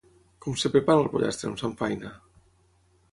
Com es prepara el pollastre amb samfaina?